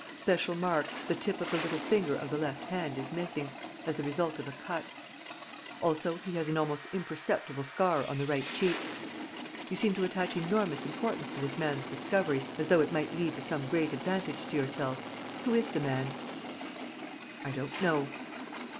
Special mark: the tip of the little finger of the left hand is missing, as the result of a cut. Also, he has an almost imperceptible scar on the right cheek. You seem to attach enormous importance to this man's discovery, as though it might lead to some great advantage to yourself. Who is the man?" "I don't know."